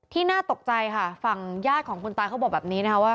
น่าตกใจค่ะฝั่งญาติของคนตายเขาบอกแบบนี้นะคะว่า